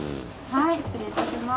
はい失礼いたします。